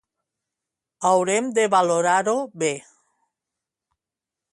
Haurem de valorar-ho bé